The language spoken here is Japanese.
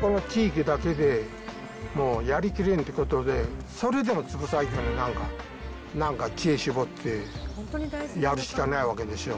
この地域だけでもうやりきれんってことで、それでも潰さんように、なんか知恵絞ってやるしかないわけでしょ。